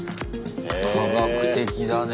科学的だね。